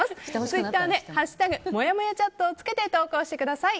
ツイッターで「＃もやもやチャット」をつけて投稿してください。